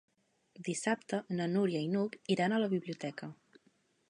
Dissabte na Núria i n'Hug iran a la biblioteca.